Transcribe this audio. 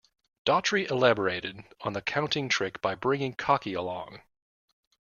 Daughtry elaborated on the counting trick by bringing Cocky along.